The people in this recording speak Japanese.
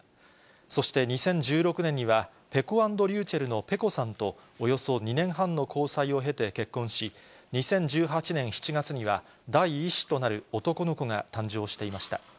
そして２０１６年には、ぺこ＆りゅうちぇるのぺこさんと、およそ２年半の交際を経て結婚し、２０１８年７月には第１子となる男の子が誕生していました。